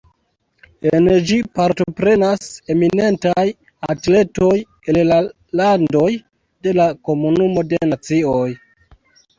En ĝi partoprenas eminentaj atletoj el la landoj de la Komunumo de Nacioj.